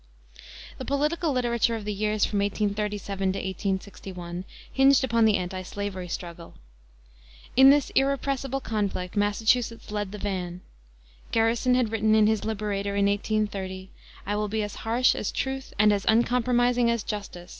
The political literature of the years from 1837 to 1861 hinged upon the antislavery struggle. In this "irrepressible conflict" Massachusetts led the van. Garrison had written in his Liberator, in 1830, "I will be as harsh as truth and as uncompromising as justice.